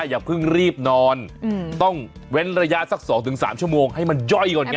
อย่าเพิ่งรีบนอนต้องเว้นระยะสัก๒๓ชั่วโมงให้มันย่อยก่อนไง